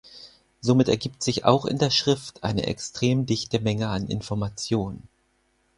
Somit ergibt sich auch in der Schrift eine extrem dichte Menge an Information.